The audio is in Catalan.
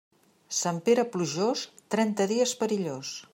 Sant Pere plujós, trenta dies perillós.